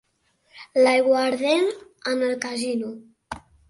L'aiguardent, en el casino.